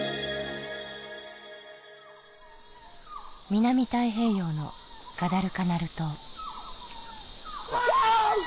南太平洋のガダルカナル島。